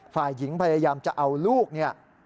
ฝ่ายหญิงพยายามจะเอาลูกเนี่ย